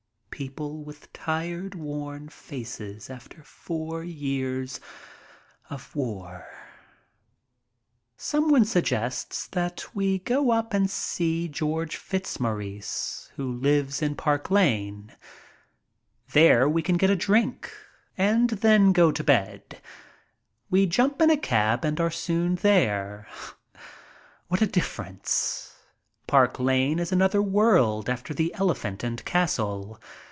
People with tired, worn faces after four years of war ! Some one suggests that we go up and see George Fitz maurice, who lives in Park Lane. There we can get a drink 72 MY TRIP ABROAD and then go to bed. We jump in a cab and are soon there. What a difference! Park Lane is another world after the Elephant and Castle.